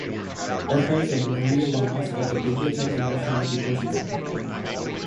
Archives of Maria Lamas at the Biblioteca Nacional de Portugal